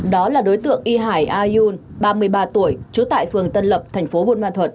đó là đối tượng y hải a yun ba mươi ba tuổi trú tại phường tân lập tp hcm